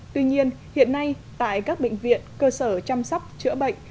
tuy nhiên hiện nay tại các bệnh viện cơ sở chăm sóc chữa bệnh